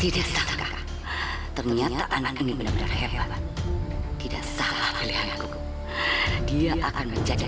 tidak sangka ternyata anak ini benar benar hebat tidak salah pilihanku dia akan menjajak